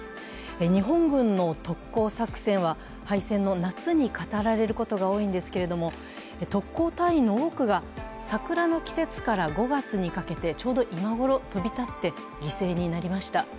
日本軍の特攻作戦は敗戦の夏に語られることが多いんですけれども、特攻隊員の多くが桜の季節から５月にかけてちょうど今ごろ飛び立って犠牲になりました。